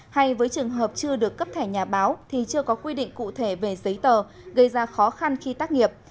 hay với trường hợp chưa được cấp thẻ nhà báo thì chưa có quy định cụ thể về giấy tờ gây ra khó khăn khi tác nghiệp